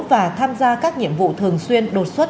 và tham gia các nhiệm vụ thường xuyên đột xuất